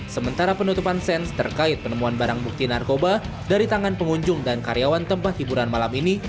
sementara penutupan sens terkait penemuan barang bukti narkoba dari tangan pengunjung dan karyawan tempat hiburan malam ini